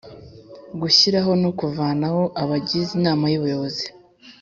Gushyiraho no kuvanaho abagize inama y ubuyobozi